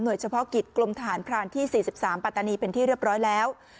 เฉพาะกิจกรมทหารพรานที่๔๓ปัตตานีเป็นที่เรียบร้อยแล้ว